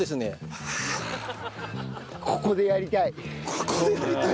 ここでやりたい！